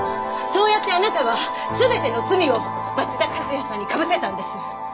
そうやってあなたは全ての罪を町田和也さんにかぶせたんです。